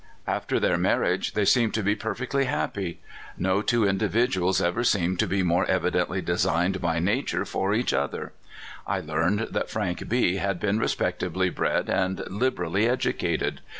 After their marriage, they seemed to be perfectly 88 A Woman of the Early Days. hapj)y. No two individuals ever seemed to be more evidently designed by nature for each other. I learned that Frank B had been respectably bred and liberally educated.